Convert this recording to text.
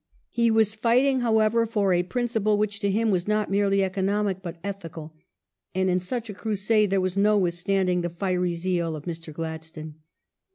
He was fighting, however, for a principle which to him was not merely economic but ethical, and in such a crusade there was no withstanding the fiery zeal of Mr. Gladstone.